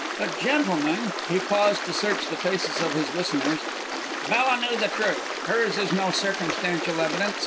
But, gentlemen," he paused to search the faces of his listeners, "Bella knew the truth. Hers is no circumstantial evidence.